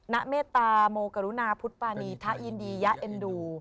เมตตามโมกรุณาพุทธปานีทะยินดียะเอ็นดู